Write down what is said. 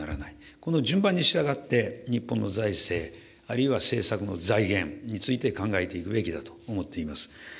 この順番に従って日本の財政、あるいは政策の財源について、考えていくべきだと思っています。